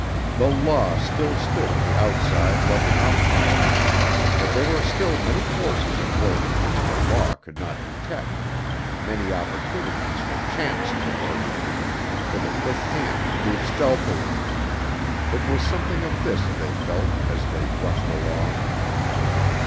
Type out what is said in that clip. The Law still stood on the outside like an umpire, but there were still many forces at work which the Law could not detect, many opportunities for Chance to work, for the quick hand to move stealthily. It was something of this they felt, as they brushed along.